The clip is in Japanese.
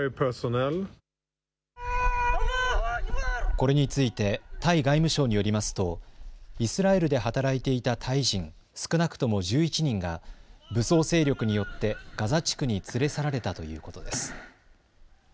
これについてタイ外務省によりますとイスラエルで働いていたタイ人少なくとも１１人が武装勢力によってガザ地区に連れ去られたということです。